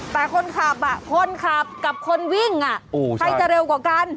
แต่คนขับคนขับกับคนวิ่งใครจะเร็วกว่ากัน